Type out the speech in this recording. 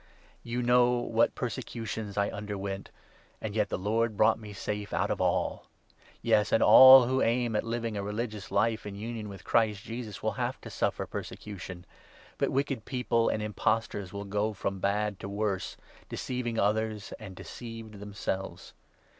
You know what persecutions I underwent ; and yet the Lord brought .me safe out of all ! Yes, and all who aim at living a religious life in 12 union with Christ Jesus will have to suffer persecution ; but 13 wicked people and impostors will go from bad to worse, deceiving others and deceived themselves.